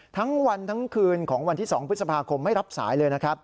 ทั้งวันนึงขึ้นของวันที่๒พฤษภาคมไม่รับสายเลย